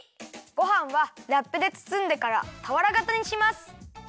ごはんはラップでつつんでからたわらがたにします。